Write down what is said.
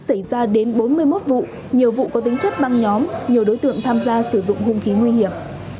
xảy ra đến bốn mươi một vụ nhiều vụ có tính chất băng nhóm nhiều đối tượng tham gia sử dụng hung khí nguy hiểm